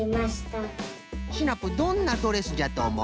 シナプーどんなドレスじゃとおもう？